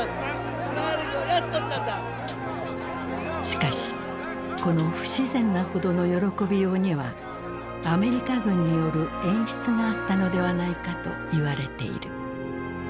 しかしこの不自然なほどの喜びようにはアメリカ軍による演出があったのではないかといわれている。